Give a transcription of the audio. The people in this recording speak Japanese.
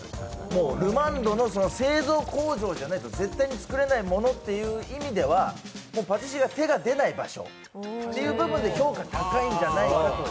ルマンドの製造工場じゃないと絶対に作れないという意味ではパティシエが手が出ない場所という意味で評価が高いんじゃないかと、はい。